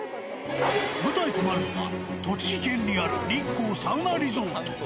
舞台となるのは、栃木県にある日光サウナリゾート。